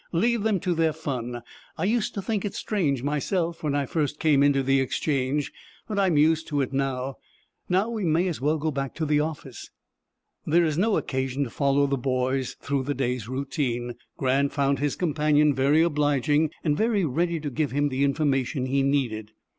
"Leave them to their fun. I used to think it strange myself, when I first came into the Exchange, but I'm used to it now. Now we may as well go back to the office." There is no occasion to follow the boys through the day's routine. Grant found his companion very obliging, and very ready to give him the information he needed.